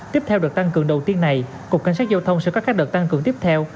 tiếp theo đợt tăng cường đầu tiên này cục cảnh sát giao thông sẽ có các đợt tăng cường tiếp theo